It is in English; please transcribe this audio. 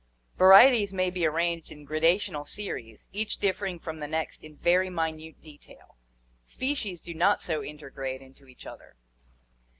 Vari eties may be arranged in gradational series, each differing from the next in very minute detail. Species do not so intergrade into each other.